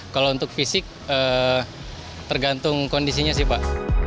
kalau untuk fisik tergantung kondisinya sih pak